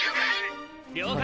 「了解！」